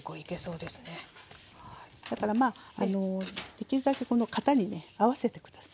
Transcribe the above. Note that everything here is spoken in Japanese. だからできるだけこの型にね合わせて下さい。